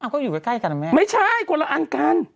ก็อยู่ใกล้ใกล้กันอะแม่ไม่ใช่กว่าละอันกัน